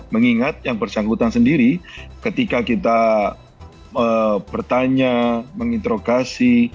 mengingat yang bersangkutan sendiri ketika kita bertanya menginterogasi